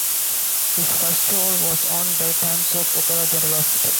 His first role was on the daytime soap opera "General Hospital".